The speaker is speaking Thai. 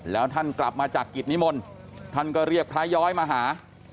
แล้วท่านกลับมาจากกิจนิมนต์ท่านก็เรียกพระย้อยมาหา